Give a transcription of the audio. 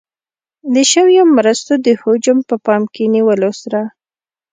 د شویو مرستو د حجم په پام کې نیولو سره.